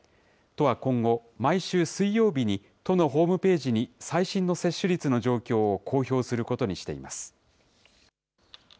都は今後、毎週水曜日に、都のホームページに最新の接種率の状況を公表することにしています。